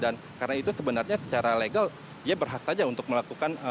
dan karena itu sebenarnya secara legal ya berhasil saja untuk melakukan